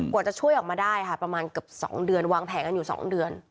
กว่าจะช่วยออกมาได้ค่ะประมาณเกือบ๒เดือนวางแผนกันอยู่๒เดือน